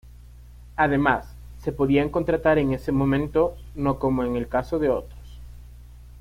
Además, se podían contratar en ese momento, no como en el caso de otros.